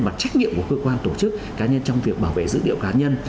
và trách nhiệm của cơ quan tổ chức cá nhân trong việc bảo vệ dữ liệu cá nhân